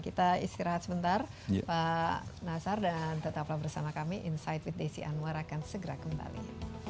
kita istirahat sebentar pak nasar dan tetaplah bersama kami insight with desi anwar akan segera kembali